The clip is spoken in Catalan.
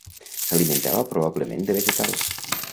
S'alimentava probablement de vegetals.